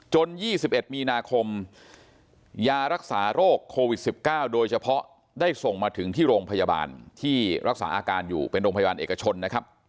๒๑มีนาคมยารักษาโรคโควิด๑๙โดยเฉพาะได้ส่งมาถึงที่โรงพยาบาลที่รักษาอาการอยู่เป็นโรงพยาบาลเอกชนนะครับ